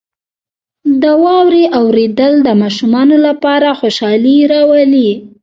• د واورې اورېدل د ماشومانو لپاره خوشحالي راولي.